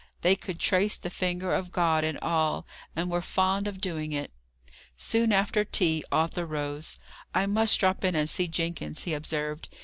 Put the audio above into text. They could trace the finger of God in all; and were fond of doing it. Soon after tea, Arthur rose. "I must drop in and see Jenkins," he observed.